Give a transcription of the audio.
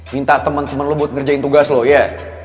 minta temen temen lo buat ngerjain tugas lo ya